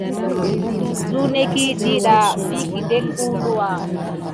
Zuneki diɗa vi kədek əwluwa.